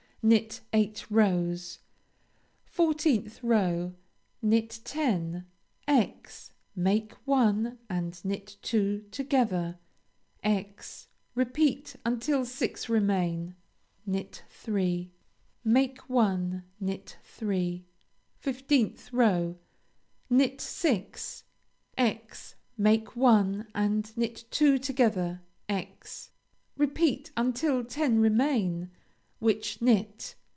Knit eight rows. 14th row Knit ten; × make one and knit two together × repeat until six remain; knit three; make one; knit three. 15th row Knit six; × make one and knit two together × repeat until ten remain, which knit.